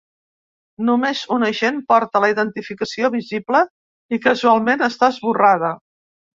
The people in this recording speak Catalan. Només un agent porta la identificació visible i casualment està esborrada.